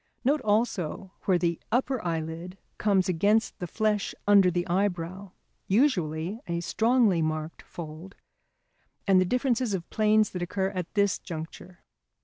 Note also where the upper eyelid comes against the flesh under the eyebrow (usually a strongly marked fold) and the differences of planes that occur at this juncture.